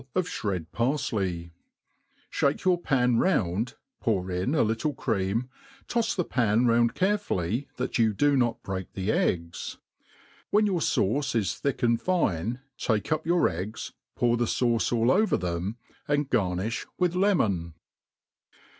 of flired paritej; ihake your pan round, pour in a Uttle cream, toTs the^pan round carefully, that you dd not break the eggs. When your fauce is thick. and fine, take up your eggs, pour the fauce all over them, and garni& with le« mon.